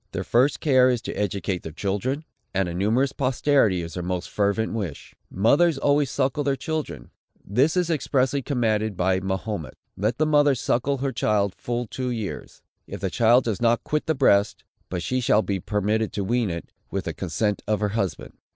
Their first care is to educate their children; and a numerous posterity is their most fervent wish. Mothers always suckle their children. This is expressly commanded by Mahomet: "Let the mother suckle her child full two years, if the child does not quit the breast; but she shall be permitted to wean it, with the consent of her husband."